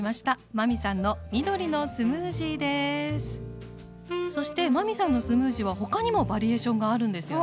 真海さんのそして真海さんのスムージーは他にもバリエーションがあるんですよね？